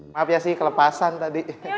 maaf ya sih kelepasan tadi